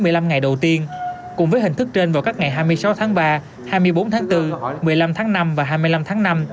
trừ tiền lãi một mươi năm ngày đầu tiên cùng với hình thức trên vào các ngày hai mươi sáu tháng ba hai mươi bốn tháng bốn một mươi năm tháng năm và hai mươi năm tháng năm